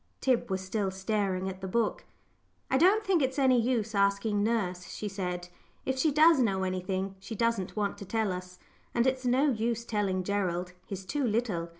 Tib was still staring at the book. "I don't think it's any use asking nurse," she said. "If she does know anything she doesn't want to tell us. And it's no use telling Gerald: he's too little.